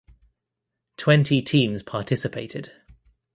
Twenty teams participated.